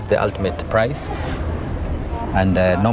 chúng tôi trả giá cho họ